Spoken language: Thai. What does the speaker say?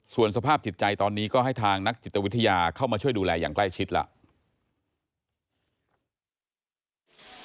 ส่วนสภาพจิตใจตอนนี้ก็ให้ทางนักจิตวิทยาเข้ามาช่วยดูแลอย่างใกล้ชิดแล้ว